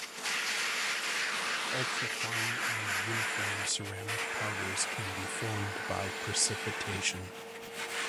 Ultra-fine and uniform ceramic powders can be formed by precipitation.